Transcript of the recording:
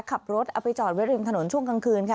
ขับรถเอาไปจอดไว้ริมถนนช่วงกลางคืนค่ะ